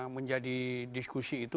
menjadi diskusi itu